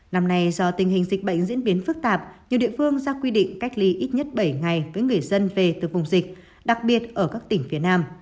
năm nay do tình hình dịch bệnh diễn biến phức tạp nhiều địa phương ra quy định cách ly ít nhất bảy ngày với người dân về từ vùng dịch đặc biệt ở các tỉnh phía nam